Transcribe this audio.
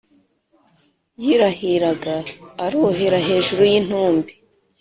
Yirahiraga arohera hejuru y'intumbi